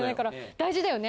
大事だよね。